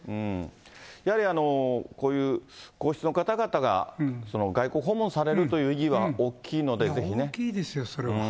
やはり、こういう皇室の方々が外交訪問されるという意義は大きいので、ぜ大きいですよ、それは。